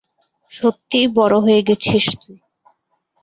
সত্যিই বড় হয়ে গেছিস তুই!